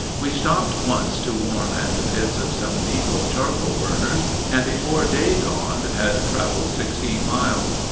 We stopped once to warm at the pits of some negro charcoal burners, and before day dawned had traveled sixteen miles.